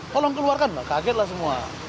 tolong keluarkan kagetlah semua